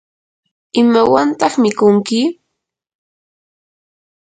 ¿imawantaq mikunki?